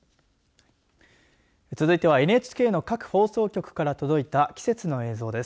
続いては、ＮＨＫの各放送局から届いた季節の映像です。